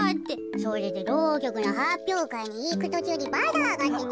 それでろうきょくのはっぴょうかいにいくとちゅうにバザーがあってね。